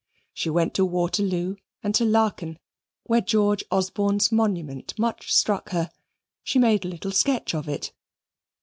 She went to Waterloo and to Laeken, where George Osborne's monument much struck her. She made a little sketch of it.